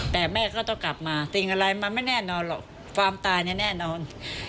แต่แม่ก็ต้องกลับมาสิ่งอะไรมันไม่แน่นอนหรอกความตายเนี่ยแน่นอน